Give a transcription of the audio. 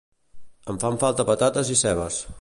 Em fan falta patates i cebes